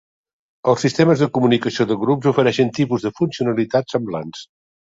Els sistemes de comunicació de grups ofereixen tipus de funcionalitat semblants.